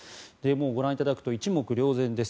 ご覧いただくと一目瞭然です。